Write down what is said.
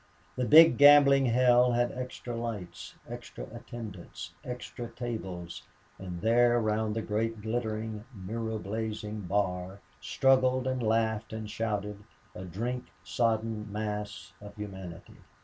The big gambling hell had extra lights, extra attendants, extra tables; and there round the great glittering mirror blazing bar struggled and laughed and shouted a drink sodden mass of humanity.